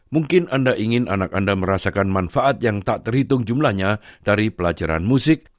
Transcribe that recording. mungkin anda ingin anak anda merasakan manfaat yang tak terhitung jumlahnya dari pelajaran musik